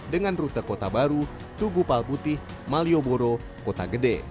dengan rute kota baru tugu palbutih malioboro kota gede